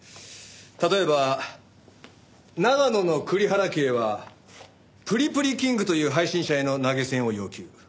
例えば長野の栗原家へはプリプリキングという配信者への投げ銭を要求。